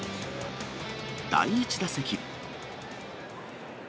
第１打席。